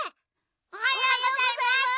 おはようございます！